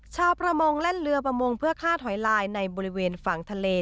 ชาวประมงแล่นเรือประมงเพื่อฆ่าถอยลายในบริเวณฝั่งทะเล